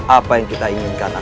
apa yang kita inginkan akan tercapai